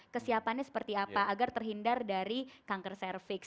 kesiapannya seperti apa agar terhindar dari kanker cervix